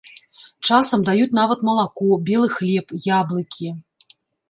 Часам даюць нават малако, белы хлеб, яблыкі.